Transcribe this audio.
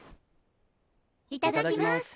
いただきます。